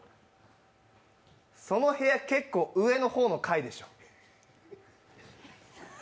その部屋、結構、上の方の階でしょ？